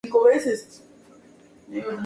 En su: "Is it a Crime?